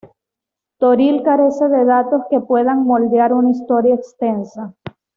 Toril carece de datos que puedan moldear una historia extensa.